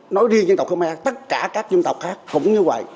nói đi dân tộc khmer tất cả các dân tộc khác cũng như vậy